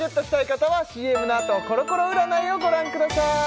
方はＣＭのあとコロコロ占いをご覧ください